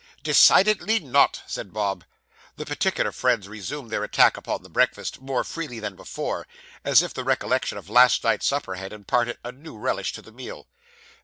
'Decidedly not,' said Bob. The particular friends resumed their attack upon the breakfast, more freely than before, as if the recollection of last night's supper had imparted a new relish to the meal.